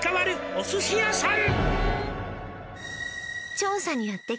「お寿司屋さん」